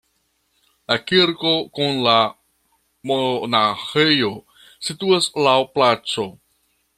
La kirko kun la monaĥejo situas laŭ placo.